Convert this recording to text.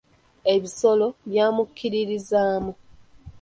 Ebisolo byamukkiririzaamu.